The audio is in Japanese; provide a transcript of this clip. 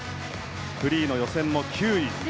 フリーの予選も９位。